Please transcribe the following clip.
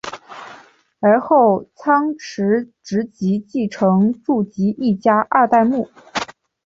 而后仓持直吉继承住吉一家二代目。